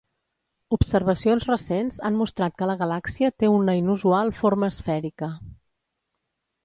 Observacions recents han mostrat que la galàxia té una inusual forma esfèrica.